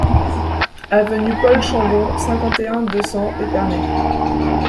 Avenue Paul Chandon, cinquante et un, deux cents Épernay